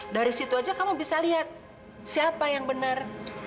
dari situ aja kamu bisa lihat siapa yang benar